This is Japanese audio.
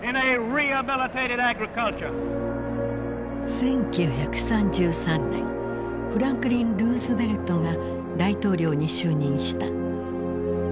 １９３３年フランクリン・ルーズベルトが大統領に就任した。